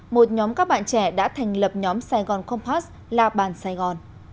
một nhóm các bạn trẻ đã thành lập nhóm saigon compass la ban saigon